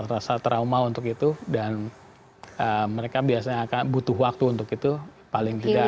rasa trauma untuk itu dan mereka biasanya akan butuh waktu untuk itu paling tidak